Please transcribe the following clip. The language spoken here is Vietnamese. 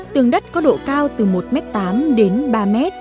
tường đất có độ cao từ một tám m đến một năm m